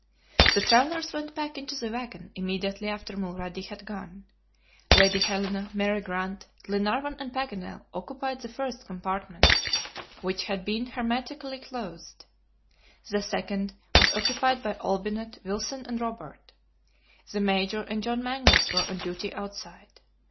The travelers went back into the wagon immediately Mulrady had gone. Lady Helena, Mary Grant, Glenarvan and Paganel occupied the first compartment, which had been hermetically closed. The second was occupied by Olbinett, Wilson and Robert. The Major and John Mangles were on duty outside.